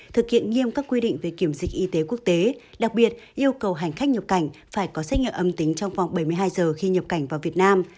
thực hiện nghiêm các quy định về kiểm dịch y tế quốc tế đặc biệt yêu cầu hành khách nhập cảnh phải có xét nghiệm âm tính trong vòng bảy mươi hai giờ khi nhập cảnh vào việt nam